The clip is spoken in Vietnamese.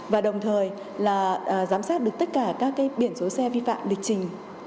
và đồng thời là giám sát được tất cả các biển số xe vi phạm lịch trình